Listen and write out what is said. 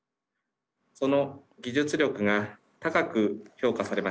その技術力が高く評価されました。